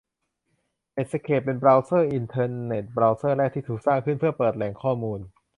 เน็ตสเคป เป็นบราวเซอร์อินเทอร์เน็ต บราวเซอร์แรกที่ถูกสร้างขึ้นเพื่อเปิดแหล่งข้อมูล